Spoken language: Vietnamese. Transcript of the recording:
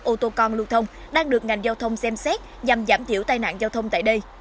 ô tô con lưu thông đang được ngành giao thông xem xét nhằm giảm thiểu tai nạn giao thông tại đây